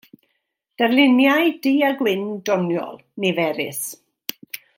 Darluniau du-a-gwyn doniol, niferus.